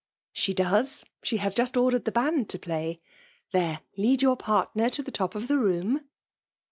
^ She does. She has jftuA ordered the band to pky. There !— ^Lead your paiiuoi to the ti^ dt the room."